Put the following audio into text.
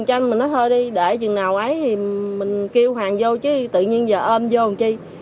lên năm mươi mình nói thôi đi để chừng nào ấy thì mình kêu hàng vô chứ tự nhiên giờ ôm vô làm chi